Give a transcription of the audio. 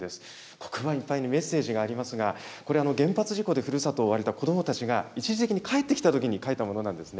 黒板いっぱいにメッセージがありますが、これ、原発事故でふるさとを追われた子どもたちが、一時的に帰ってきたときに書いたものなんですね。